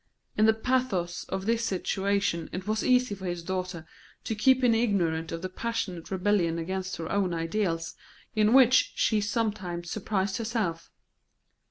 In the pathos of this situation it was easy for his daughter to keep him ignorant of the passionate rebellion against her own ideals in which she sometimes surprised herself.